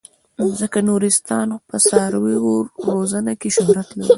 ځکه خو نورستان په څارویو روزنه کې شهرت لري.